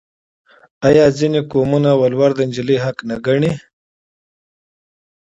آیا ځینې قومونه ولور د نجلۍ حق نه ګڼي؟